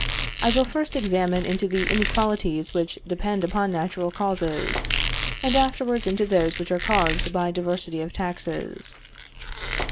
I will first examine into the inequalities which depend upon natural causes, and afterwards into those which are caused by diversity of taxes.